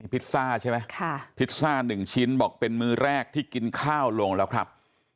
พิซซ่าใช่ไหมพิซซ่าหนึ่งชิ้นบอกเป็นมือแรกที่กินข้าวลงแล้วครับ